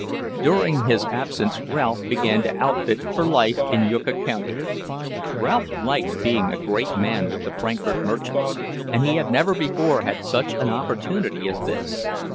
During his absence Ralph began to outfit for life in Yucca county. Ralph liked being a great man with the Frankfort merchants, and he had never before had such an opportunity as this.